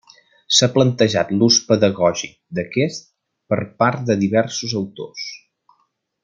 S'ha plantejat l'ús pedagògic d'aquests per part de diversos autors.